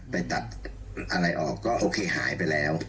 ไปตัดอะไรออกก็โอเคหายไปแล้ว